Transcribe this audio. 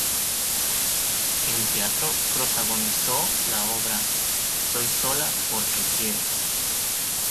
En teatro protagonizó la obra "Estoy sola porque quiero".